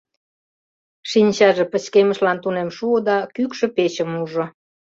Шинчаже пычкемышлан тунем шуо да кӱкшӧ печым ужо.